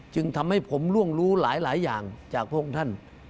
จึงทำให้ผมร่วงรู้หลายอย่างจากพวกนั้น